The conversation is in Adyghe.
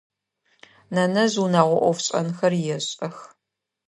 Нэнэжъ унэгъо ӏофшӏэнхэр ешӏэх.